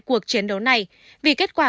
cuộc chiến đấu này vì kết quả